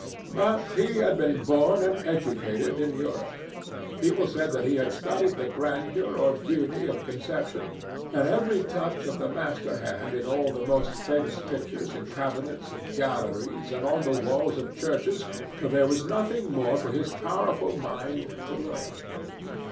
But he had been born and educated in Europe. People said that he had studied the grandeur or beauty of conception and every touch of the master hand in all the most famous pictures in cabinets and galleries and on the walls of churches till there was nothing more for his powerful mind to learn.